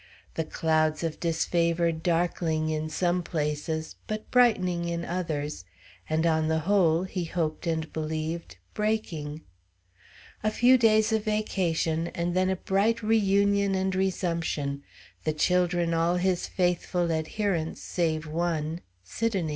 The clouds of disfavor darkling in some places, but brightening in others, and, on the whole, he hoped and believed, breaking. A few days of vacation, and then a bright re union and resumption, the children all his faithful adherents save one Sidonie.